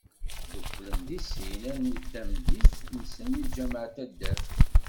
Ddukklen di sin, armi d tameddit, nsan di lğameε n taddart.